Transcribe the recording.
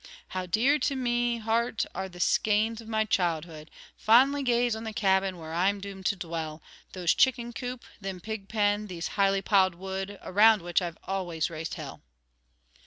"How dear to me heart are the scanes of me childhood, Fondly gaze on the cabin where I'm doomed to dwell, Those chicken coop, thim pig pen, these highly piled wood Around which I've always raised Hell."